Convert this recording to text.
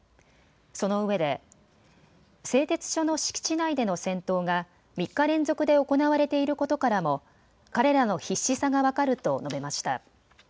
その上で、製鉄所の敷地内での戦闘が３日連続で行われていることからも、彼らの必死さが分かると述べました。